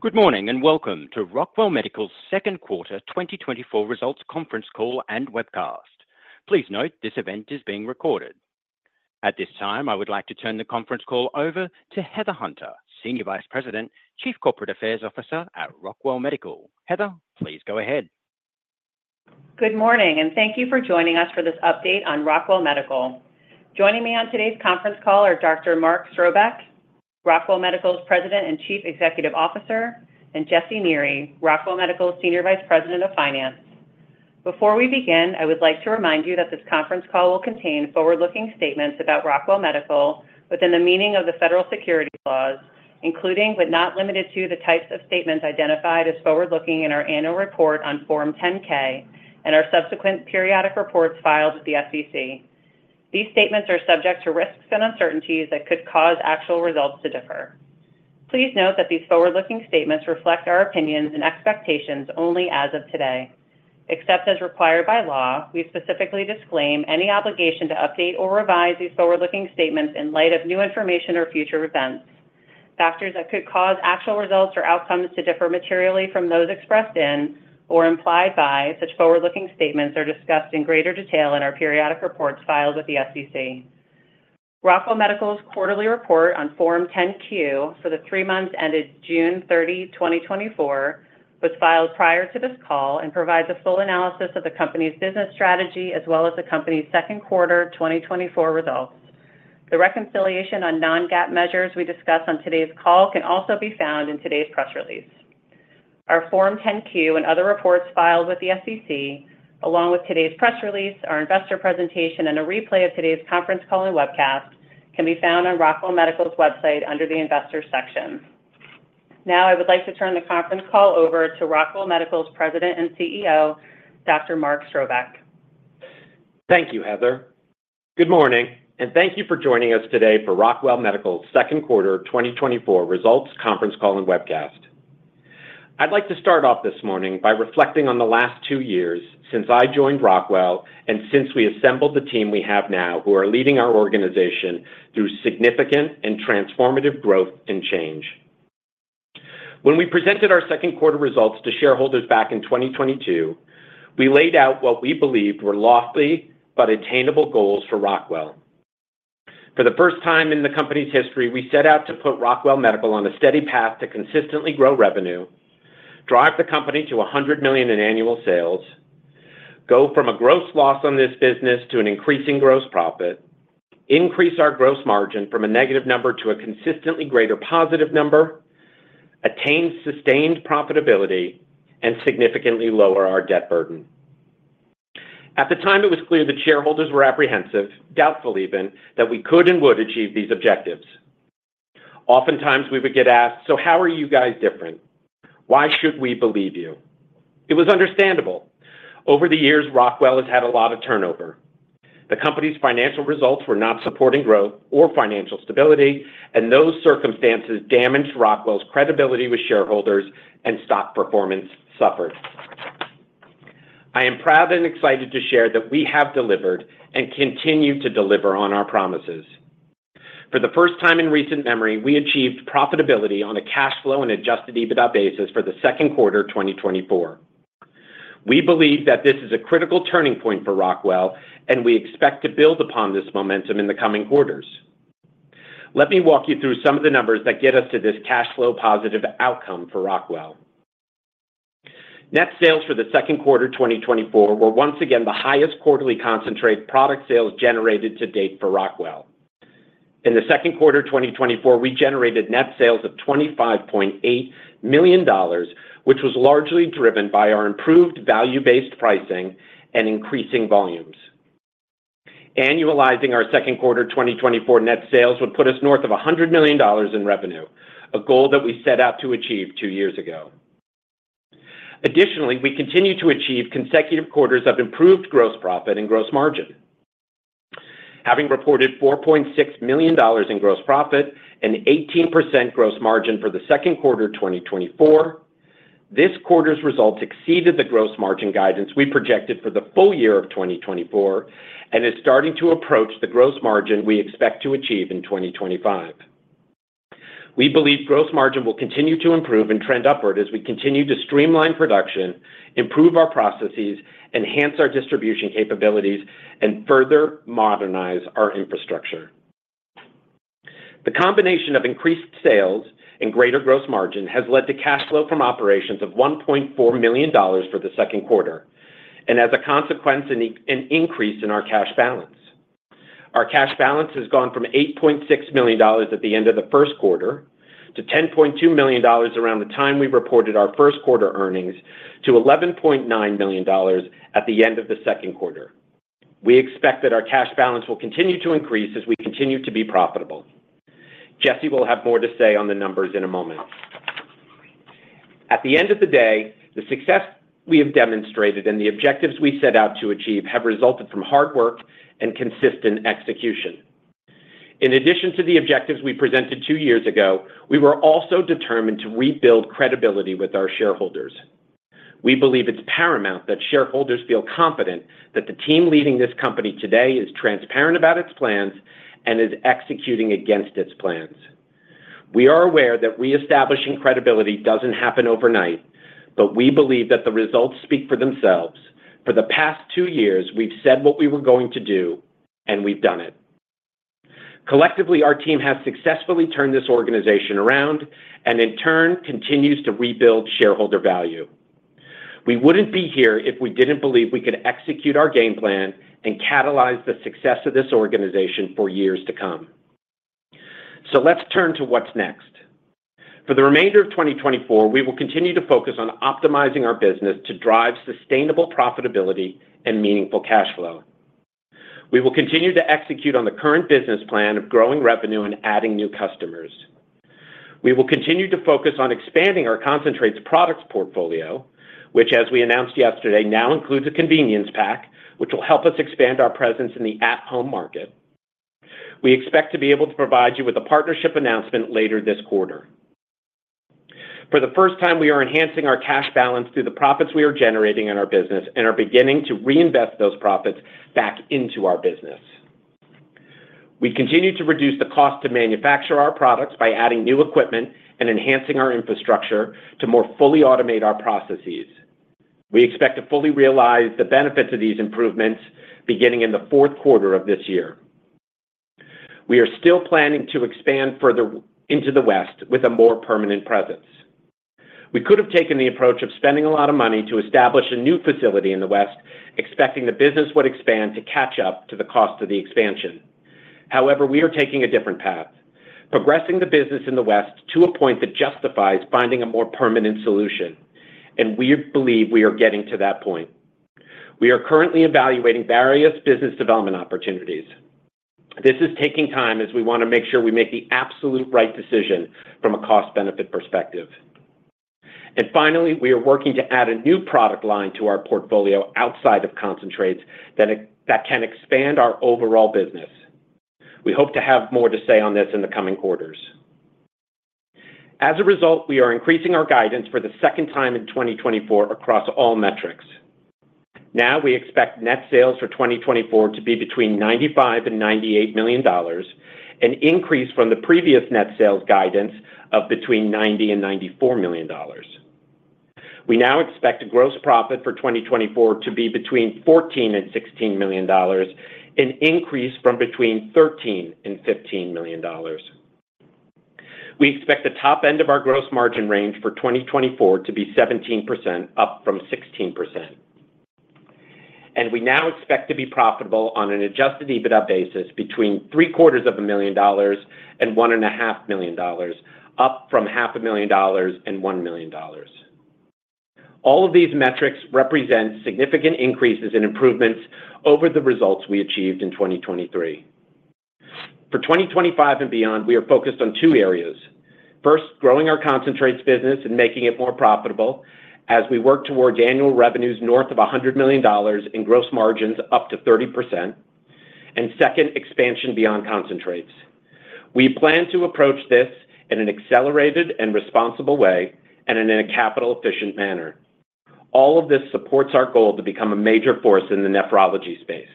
Good morning, and welcome to Rockwell Medical's second quarter 2024 results conference call and webcast. Please note, this event is being recorded. At this time, I would like to turn the conference call over to Heather Hunter, Senior Vice President, Chief Corporate Affairs Officer at Rockwell Medical. Heather, please go ahead. Good morning, and thank you for joining us for this update on Rockwell Medical. Joining me on today's conference call are Dr. Mark Strobeck, Rockwell Medical's President and Chief Executive Officer, and Jesse Neary, Rockwell Medical's Senior Vice President of Finance. Before we begin, I would like to remind you that this conference call will contain forward-looking statements about Rockwell Medical within the meaning of the federal securities laws, including, but not limited to, the types of statements identified as forward-looking in our annual report on Form 10-K and our subsequent periodic reports filed with the SEC. These statements are subject to risks and uncertainties that could cause actual results to differ. Please note that these forward-looking statements reflect our opinions and expectations only as of today. Except as required by law, we specifically disclaim any obligation to update or revise these forward-looking statements in light of new information or future events. Factors that could cause actual results or outcomes to differ materially from those expressed in or implied by such forward-looking statements are discussed in greater detail in our periodic reports filed with the SEC. Rockwell Medical's quarterly report on Form 10-Q for the three months ended June 30, 2024, was filed prior to this call and provides a full analysis of the company's business strategy, as well as the company's second quarter 2024 results. The reconciliation on non-GAAP measures we discuss on today's call can also be found in today's press release. Our Form 10-Q and other reports filed with the SEC, along with today's press release, our investor presentation, and a replay of today's conference call and webcast can be found on Rockwell Medical's website under the Investors section. Now, I would like to turn the conference call over to Rockwell Medical's President and CEO, Dr. Mark Strobeck. Thank you, Heather. Good morning, and thank you for joining us today for Rockwell Medical's second quarter 2024 results conference call and webcast. I'd like to start off this morning by reflecting on the last 2 years since I joined Rockwell and since we assembled the team we have now, who are leading our organization through significant and transformative growth and change. When we presented our second quarter results to shareholders back in 2022, we laid out what we believed were lofty but attainable goals for Rockwell. For the first time in the company's history, we set out to put Rockwell Medical on a steady path to consistently grow revenue, drive the company to $100 million in annual sales, go from a gross loss on this business to an increasing gross profit, increase our gross margin from a negative number to a consistently greater positive number, attain sustained profitability, and significantly lower our debt burden. At the time, it was clear that shareholders were apprehensive, doubtful even, that we could and would achieve these objectives. Oftentimes, we would get asked: "So how are you guys different? Why should we believe you?" It was understandable. Over the years, Rockwell has had a lot of turnover. The company's financial results were not supporting growth or financial stability, and those circumstances damaged Rockwell's credibility with shareholders, and stock performance suffered. I am proud and excited to share that we have delivered and continue to deliver on our promises. For the first time in recent memory, we achieved profitability on a cash flow and adjusted EBITDA basis for the second quarter 2024. We believe that this is a critical turning point for Rockwell, and we expect to build upon this momentum in the coming quarters. Let me walk you through some of the numbers that get us to this cash flow positive outcome for Rockwell. Net sales for the second quarter 2024 were once again the highest quarterly concentrate product sales generated to date for Rockwell. In the second quarter 2024, we generated net sales of $25.8 million, which was largely driven by our improved value-based pricing and increasing volumes. Annualizing our second quarter 2024 net sales would put us north of $100 million in revenue, a goal that we set out to achieve two years ago. Additionally, we continue to achieve consecutive quarters of improved gross profit and gross margin. Having reported $4.6 million in gross profit and 18% gross margin for the second quarter 2024, this quarter's results exceeded the gross margin guidance we projected for the full year of 2024 and is starting to approach the gross margin we expect to achieve in 2025. We believe gross margin will continue to improve and trend upward as we continue to streamline production, improve our processes, enhance our distribution capabilities, and further modernize our infrastructure. The combination of increased sales and greater gross margin has led to cash flow from operations of $1.4 million for the second quarter, and as a consequence, an increase in our cash balance. Our cash balance has gone from $8.6 million at the end of the first quarter to $10.2 million around the time we reported our first quarter earnings, to $11.9 million at the end of the second quarter. We expect that our cash balance will continue to increase as we continue to be profitable. Jesse will have more to say on the numbers in a moment. At the end of the day, the success we have demonstrated and the objectives we set out to achieve have resulted from hard work and consistent execution. In addition to the objectives we presented two years ago, we were also determined to rebuild credibility with our shareholders. We believe it's paramount that shareholders feel confident that the team leading this company today is transparent about its plans and is executing against its plans. We are aware that reestablishing credibility doesn't happen overnight, but we believe that the results speak for themselves. For the past two years, we've said what we were going to do, and we've done it. Collectively, our team has successfully turned this organization around and, in turn, continues to rebuild shareholder value. We wouldn't be here if we didn't believe we could execute our game plan and catalyze the success of this organization for years to come. So let's turn to what's next. For the remainder of 2024, we will continue to focus on optimizing our business to drive sustainable profitability and meaningful cash flow. We will continue to execute on the current business plan of growing revenue and adding new customers. We will continue to focus on expanding our concentrates products portfolio, which, as we announced yesterday, now includes a convenience pack, which will help us expand our presence in the at-home market. We expect to be able to provide you with a partnership announcement later this quarter. For the first time, we are enhancing our cash balance through the profits we are generating in our business and are beginning to reinvest those profits back into our business. We continue to reduce the cost to manufacture our products by adding new equipment and enhancing our infrastructure to more fully automate our processes. We expect to fully realize the benefits of these improvements beginning in the fourth quarter of this year. We are still planning to expand further into the West with a more permanent presence. We could have taken the approach of spending a lot of money to establish a new facility in the West, expecting the business would expand to catch up to the cost of the expansion. However, we are taking a different path, progressing the business in the West to a point that justifies finding a more permanent solution, and we believe we are getting to that point. We are currently evaluating various business development opportunities. This is taking time, as we wanna make sure we make the absolute right decision from a cost-benefit perspective. And finally, we are working to add a new product line to our portfolio outside of concentrates that can expand our overall business. We hope to have more to say on this in the coming quarters. As a result, we are increasing our guidance for the second time in 2024 across all metrics. Now, we expect net sales for 2024 to be between $95 million and $98 million, an increase from the previous net sales guidance of between $90 million and $94 million. We now expect a gross profit for 2024 to be between $14 million and $16 million, an increase from between $13 million and $15 million. We expect the top end of our gross margin range for 2024 to be 17%, up from 16%. And we now expect to be profitable on an adjusted EBITDA basis between $750,000 and $1.5 million, up from $500,000 and $1 million. All of these metrics represent significant increases and improvements over the results we achieved in 2023. For 2025 and beyond, we are focused on two areas. First, growing our concentrates business and making it more profitable as we work toward annual revenues north of $100 million in gross margins up to 30%, and second, expansion beyond concentrates. We plan to approach this in an accelerated and responsible way and in a capital-efficient manner. All of this supports our goal to become a major force in the nephrology space.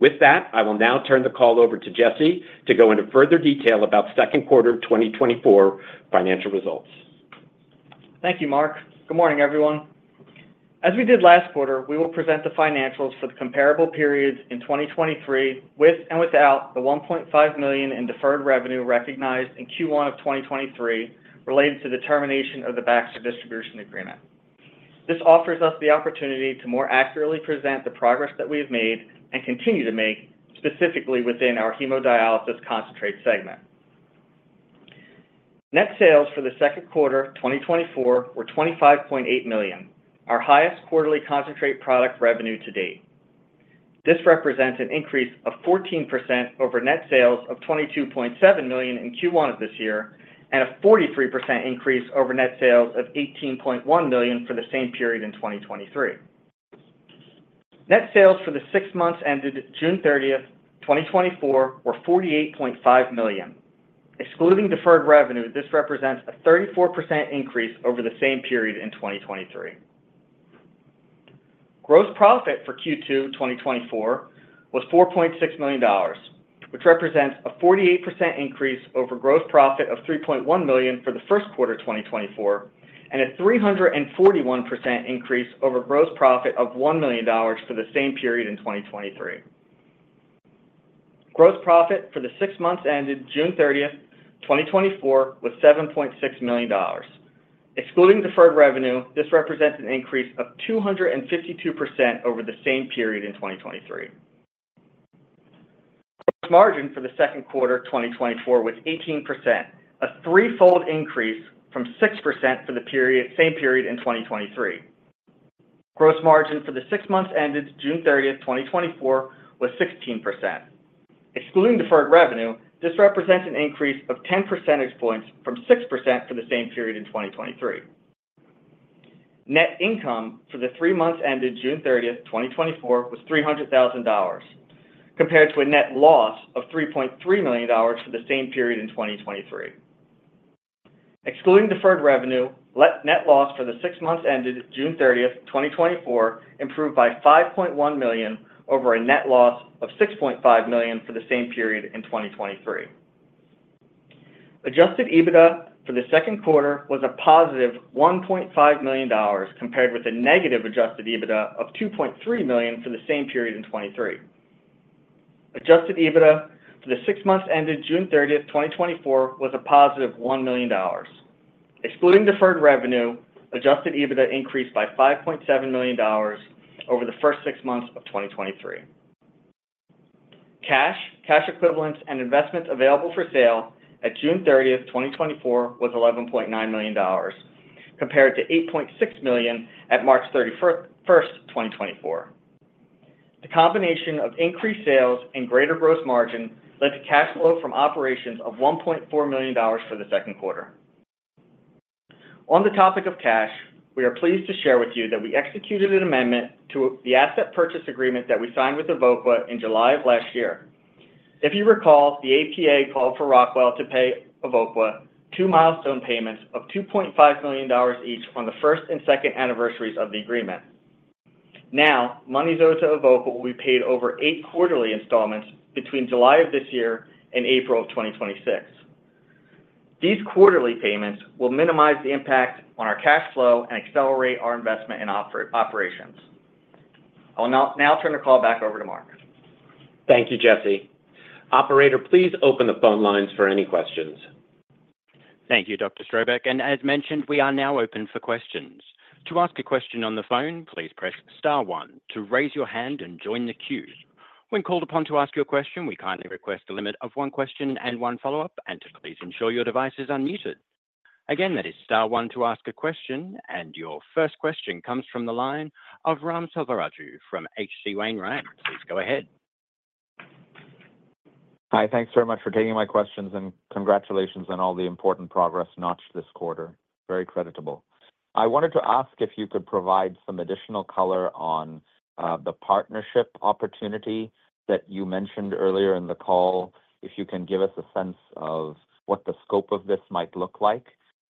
With that, I will now turn the call over to Jesse to go into further detail about second quarter of 2024 financial results. Thank you, Mark. Good morning, everyone. As we did last quarter, we will present the financials for the comparable periods in 2023, with and without the $1.5 million in deferred revenue recognized in Q1 of 2023, related to the termination of the Baxter distribution agreement. This offers us the opportunity to more accurately present the progress that we have made and continue to make, specifically within our hemodialysis concentrate segment. Net sales for the second quarter of 2024 were $25.8 million, our highest quarterly concentrate product revenue to date. This represents an increase of 14% over net sales of $22.7 million in Q1 of this year, and a 43% increase over net sales of $18.1 million for the same period in 2023. Net sales for the six months ended June 30, 2024, were $48.5 million. Excluding deferred revenue, this represents a 34% increase over the same period in 2023. Gross profit for Q2 2024 was $4.6 million, which represents a 48% increase over gross profit of $3.1 million for the first quarter 2024, and a 341% increase over gross profit of $1 million for the same period in 2023. Gross profit for the six months ended June 30, 2024, was $7.6 million. Excluding deferred revenue, this represents an increase of 252% over the same period in 2023. Gross margin for the second quarter of 2024 was 18%, a threefold increase from 6% for the period, same period in 2023. Gross margin for the six months ended June 30, 2024, was 16%. Excluding deferred revenue, this represents an increase of 10 percentage points from 6% for the same period in 2023. Net income for the three months ended June 30, 2024, was $300,000, compared to a net loss of $3.3 million for the same period in 2023. Excluding deferred revenue, net loss for the six months ended June 30, 2024, improved by $5.1 million over a net loss of $6.5 million for the same period in 2023. Adjusted EBITDA for the second quarter was a positive $1.5 million, compared with a negative adjusted EBITDA of $2.3 million for the same period in 2023. Adjusted EBITDA for the six months ended June 30, 2024, was a positive $1 million. Excluding deferred revenue, adjusted EBITDA increased by $5.7 million over the first six months of 2023. Cash, cash equivalents, and investments available for sale at June 30, 2024, was $11.9 million, compared to $8.6 million at March 31, 2024. The combination of increased sales and greater gross margin led to cash flow from operations of $1.4 million for the second quarter. On the topic of cash, we are pleased to share with you that we executed an amendment to the asset purchase agreement that we signed with Evoqua in July of last year. If you recall, the APA called for Rockwell to pay Evoqua two milestone payments of $2.5 million each on the first and second anniversaries of the agreement. Now, monies owed to Evoqua will be paid over eight quarterly installments between July of this year and April of 2026. These quarterly payments will minimize the impact on our cash flow and accelerate our investment in operations. I'll now turn the call back over to Mark. Thank you, Jesse. Operator, please open the phone lines for any questions. Thank you, Dr. Strobeck, and as mentioned, we are now open for questions. To ask a question on the phone, please press star one to raise your hand and join the queue. When called upon to ask your question, we kindly request a limit of one question and one follow-up, and to please ensure your device is unmuted. Again, that is star one to ask a question, and your first question comes from the line of Ram Selvaraju from H.C. Wainwright. Please go ahead. Hi, thanks very much for taking my questions, and congratulations on all the important progress notched this quarter. Very creditable. I wanted to ask if you could provide some additional color on the partnership opportunity that you mentioned earlier in the call. If you can give us a sense of what the scope of this might look like,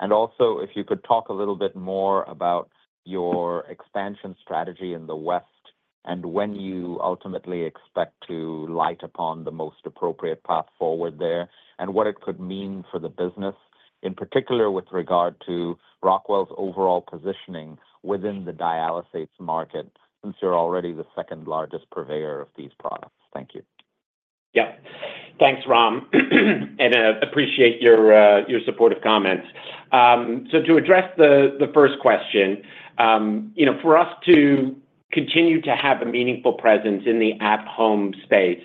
and also if you could talk a little bit more about your expansion strategy in the West, and when you ultimately expect to light upon the most appropriate path forward there, and what it could mean for the business, in particular, with regard to Rockwell's overall positioning within the dialysates market, since you're already the second-largest purveyor of these products. Thank you. Yeah. Thanks, Ram, and appreciate your, your supportive comments. So to address the first question, you know, for us to continue to have a meaningful presence in the at-home space,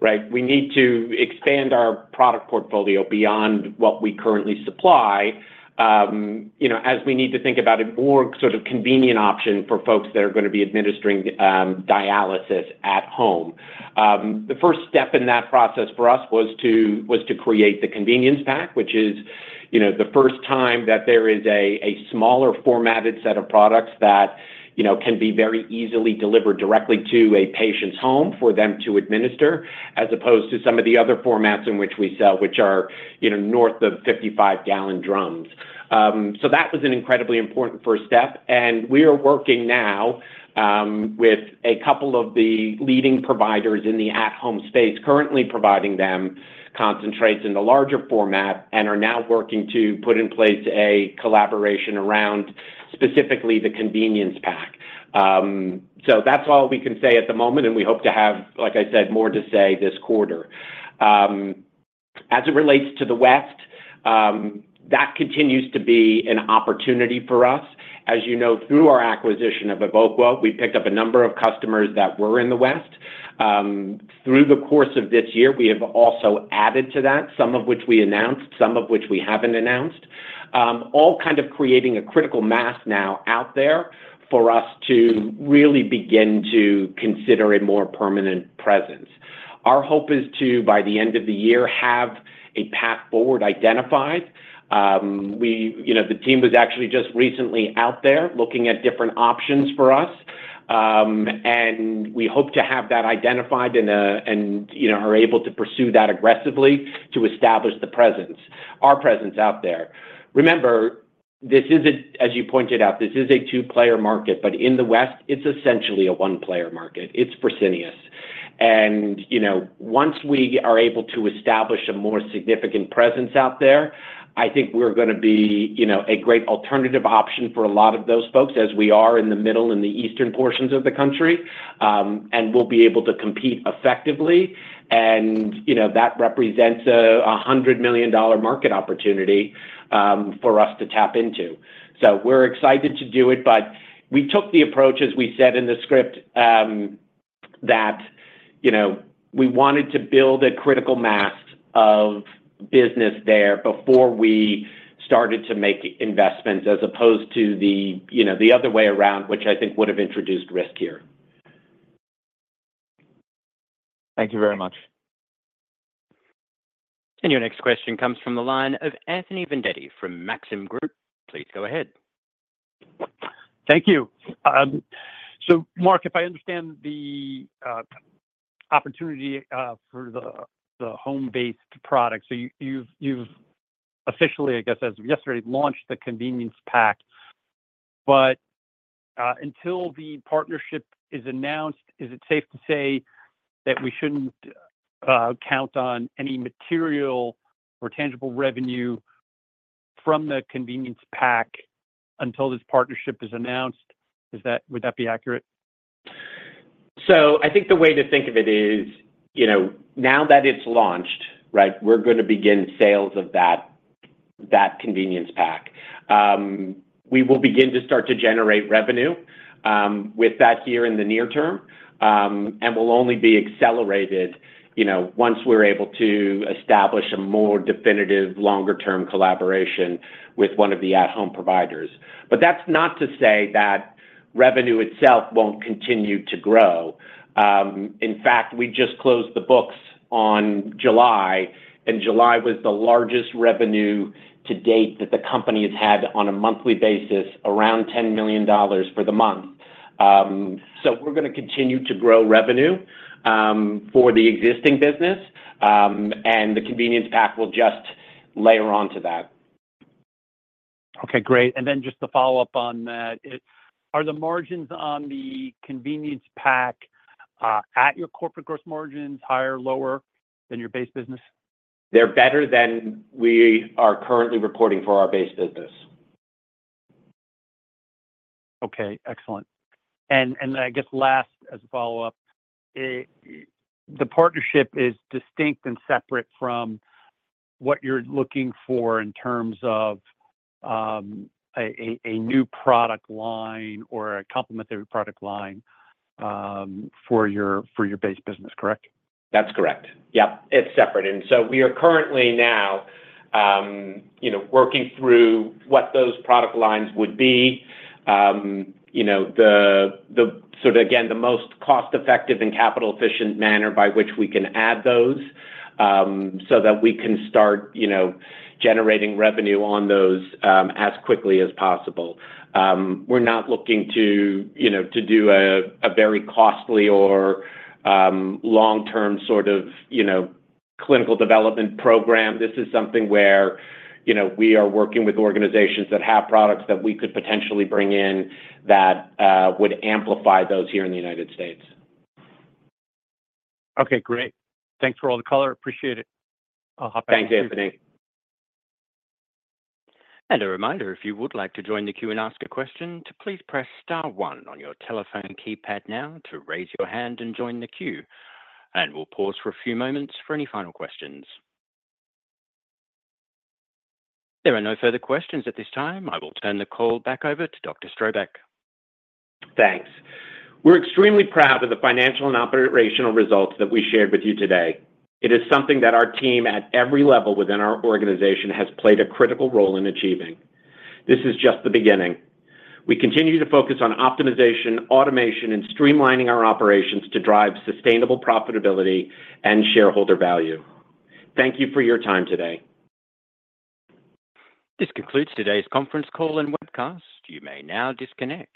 right, we need to expand our product portfolio beyond what we currently supply. You know, as we need to think about a more sort of convenient option for folks that are gonna be administering dialysis at home. The first step in that process for us was to create the convenience pack, which is, you know, the first time that there is a smaller formatted set of products that, you know, can be very easily delivered directly to a patient's home for them to administer, as opposed to some of the other formats in which we sell, which are, you know, north of 55-gallon drums. So that was an incredibly important first step, and we are working now, with a couple of the leading providers in the at-home space, currently providing them concentrates in the larger format, and are now working to put in place a collaboration around specifically the convenience pack. So that's all we can say at the moment, and we hope to have, like I said, more to say this quarter. As it relates to the West, that continues to be an opportunity for us. As you know, through our acquisition of Evoqua, we picked up a number of customers that were in the West. Through the course of this year, we have also added to that, some of which we announced, some of which we haven't announced. All kind of creating a critical mass now out there for us to really begin to consider a more permanent presence. Our hope is to, by the end of the year, have a path forward identified. You know, the team was actually just recently out there, looking at different options for us, and we hope to have that identified and, and, you know, are able to pursue that aggressively to establish the presence, our presence out there. Remember, this is a, as you pointed out, this is a two-player market, but in the West, it's essentially a one-player market. It's Fresenius. You know, once we are able to establish a more significant presence out there, I think we're gonna be, you know, a great alternative option for a lot of those folks, as we are in the middle and the eastern portions of the country. And we'll be able to compete effectively, and, you know, that represents a $100 million market opportunity for us to tap into. So we're excited to do it, but we took the approach, as we said in the script, that, you know, we wanted to build a critical mass of business there before we started to make investments, as opposed to the, you know, the other way around, which I think would have introduced risk here. Thank you very much.... And your next question comes from the line of Anthony Vendetti from Maxim Group. Please go ahead. Thank you. So Mark, if I understand the opportunity for the home-based product, so you've officially, I guess, as of yesterday, launched the convenience pack. But until the partnership is announced, is it safe to say that we shouldn't count on any material or tangible revenue from the convenience pack until this partnership is announced? Is that—would that be accurate? So I think the way to think of it is, you know, now that it's launched, right, we're going to begin sales of that, that convenience pack. We will begin to start to generate revenue with that here in the near term, and will only be accelerated, you know, once we're able to establish a more definitive, longer term collaboration with one of the at-home providers. But that's not to say that revenue itself won't continue to grow. In fact, we just closed the books on July, and July was the largest revenue to date that the company has had on a monthly basis, around $10 million for the month. So we're gonna continue to grow revenue for the existing business, and the convenience pack will just layer on to that. Okay, great. And then just to follow up on that, are the margins on the convenience pack at your corporate gross margins, higher or lower than your base business? They're better than we are currently reporting for our base business. Okay, excellent. And I guess last, as a follow-up, it, the partnership is distinct and separate from what you're looking for in terms of a new product line or a complementary product line, for your base business, correct? That's correct. Yep, it's separate. So we are currently now working through what those product lines would be. You know, the sort of, again, the most cost-effective and capital-efficient manner by which we can add those, so that we can start, you know, generating revenue on those as quickly as possible. We're not looking to, you know, to do a very costly or long-term sort of, you know, clinical development program. This is something where, you know, we are working with organizations that have products that we could potentially bring in that would amplify those here in the United States. Okay, great. Thanks for all the color. Appreciate it. I'll hop back to you- Thanks, Anthony. A reminder, if you would like to join the queue and ask a question, to please press star one on your telephone keypad now to raise your hand and join the queue. We'll pause for a few moments for any final questions. There are no further questions at this time. I will turn the call back over to Dr. Strobeck. Thanks. We're extremely proud of the financial and operational results that we shared with you today. It is something that our team at every level within our organization has played a critical role in achieving. This is just the beginning. We continue to focus on optimization, automation, and streamlining our operations to drive sustainable profitability and shareholder value. Thank you for your time today. This concludes today's conference call and webcast. You may now disconnect.